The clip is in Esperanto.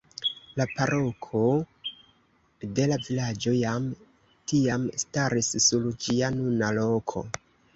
La paroko de la vilaĝo jam tiam staris sur ĝia nuna loko.